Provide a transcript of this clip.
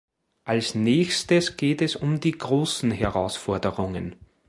Als Nächstes geht es um die großen Herausforderungen.